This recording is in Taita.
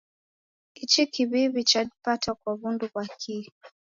Ichi kiw'iw'i chadipata kwa wundu ghwa kihi?